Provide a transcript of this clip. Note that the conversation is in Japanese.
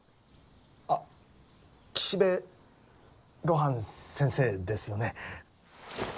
あっ岸辺露伴先生ですよね。